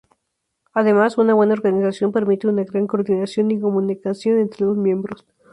Además, una buena organización permite una gran coordinación y comunicación entre los miembros.